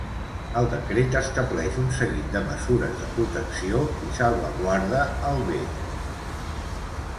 El decret estableix un seguit de mesures de protecció i salvaguarda el bé.